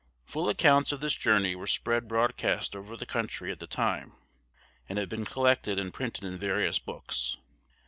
Full accounts of this journey were spread broadcast over the country at the time, and have been collected and printed in various books.